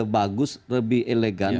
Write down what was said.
bagus lebih elegan